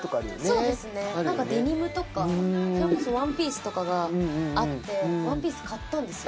そうですね何かデニムとかそれこそワンピースとかがあってワンピース買ったんですよ。